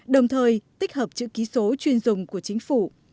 đồng thời tích hợp chữ ký số chuyên dùng của chính phủ